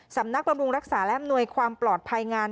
บำรุงรักษาและอำนวยความปลอดภัยงาน